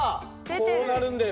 こうなるんです。